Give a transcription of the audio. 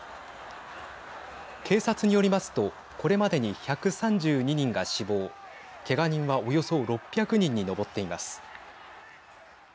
警察によりますとこれまでに１３２人が死亡けが人はおよそ６００人に上っています。